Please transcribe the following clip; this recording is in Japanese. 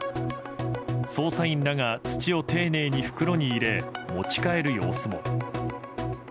捜査員らが土を丁寧に袋に入れ、持ち帰る様子も。